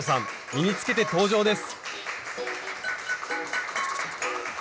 身につけて登場です。